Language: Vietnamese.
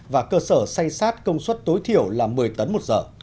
và cơ sở say sát công suất tối thiểu là một mươi tấn một giờ